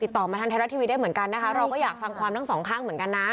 ติดต่อมาทางไทยรัฐทีวีได้เหมือนกันนะคะเราก็อยากฟังความทั้งสองข้างเหมือนกันนะ